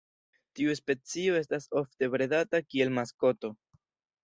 Tiu specio estas ofte bredata kiel maskoto.